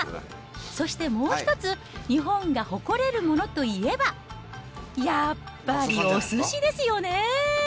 そしてもう一つ、日本が誇れるものといえば、やっぱりおすしですよね。